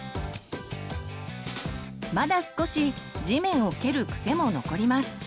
まだ少し地面を蹴る癖も残ります。